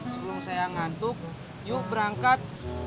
sebelum saya ngantuk yuk berangkat